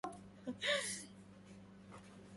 وهذه البيئات هي التي يبدو أن الفيروس ينتشر فيها